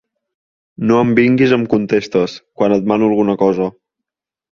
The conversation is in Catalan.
No em vinguis amb contestes, quan et mano alguna cosa.